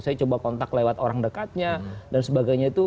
saya coba kontak lewat orang dekatnya dan sebagainya itu